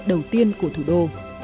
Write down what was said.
đầu tiên của thủ đô